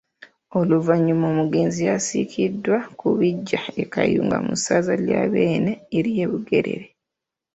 Oluvannyuma omugenzi aziikiddwa ku biggya e Kayunga mu ssaza lya Bbeene ery’e Bugerere.